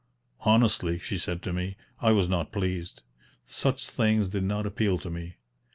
"Honestly," she said to me, "I was not pleased; such things did not appeal to me."